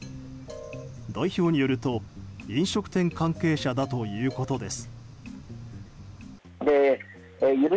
代表によると飲食店関係者だということです。